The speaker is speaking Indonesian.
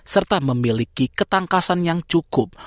serta memiliki ketangkasan yang cukup